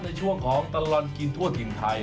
ในช่วงของตลอดกินทั่วถิ่นไทย